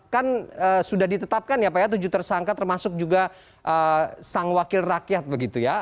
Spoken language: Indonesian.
kan sudah ditetapkan ya pak ya tujuh tersangka termasuk juga sang wakil rakyat begitu ya